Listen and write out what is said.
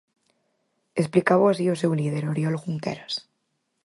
Explicábao así o seu líder, Oriol Junqueras.